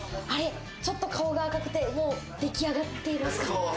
ちょっと顔が赤くて、もう出来上がっていますか？